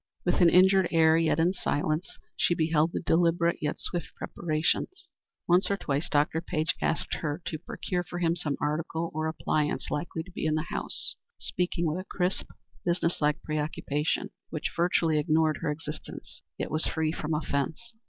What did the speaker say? With an injured air yet in silence she beheld the deliberate yet swift preparations. Once or twice Dr. Page asked her to procure for him some article or appliance likely to be in the house, speaking with a crisp, business like preoccupation which virtually ignored her existence, yet was free from offence.